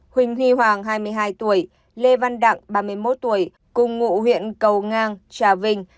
huỳnh huy hoàng hai mươi hai tuổi lê văn đặng ba mươi một tuổi cùng ngụ huyện cầu ngang trà vinh